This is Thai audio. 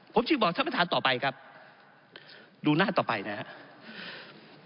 ผมจึงบอกท่านประธานต่อไปครับดูหน้าต่อไปนะครับ